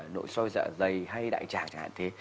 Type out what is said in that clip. nội soi dạ dày hay đại trạng